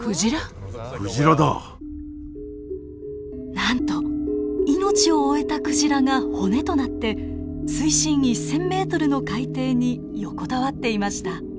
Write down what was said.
なんと命を終えたクジラが骨となって水深１，０００ｍの海底に横たわっていました。